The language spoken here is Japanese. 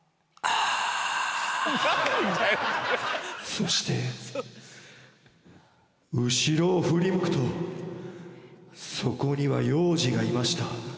そして後ろを振り向くとそこには幼児がいました。